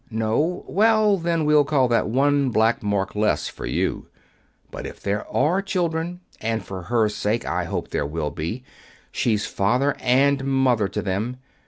"No? Well, then, we'll call that one black mark less for you. But if there are children and for her sake I hope there will be she's father and mother to them.